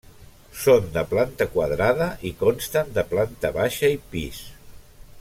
Són de planta quadrada i consten de planta baixa i pis.